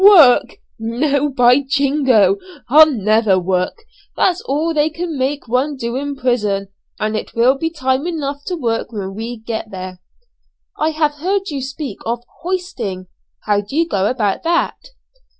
"Work! no, by jingo! I'll never work; that's all they can make one do in prison, and it will be time enough to work when we get there." "I have heard you speak of 'hoisting,' how do you go about that?"